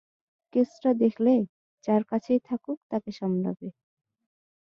কেসটা দেখলে, যার কাছেই থাকুক তাকে সামলাবে।